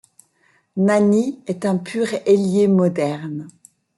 Nani est un pur ailier moderne.